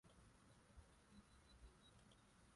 mchezo wako ni uwindaji wa miji maeneo na mabara